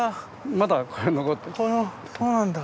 まだこれ残ってます。